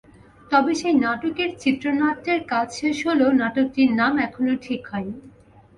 তবে সেই নাটকের চিত্রনাট্যের কাজ শেষ হলেও নাটকটির নাম এখনো ঠিক হয়নি।